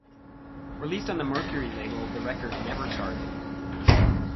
Released on the Mercury label, the record never charted.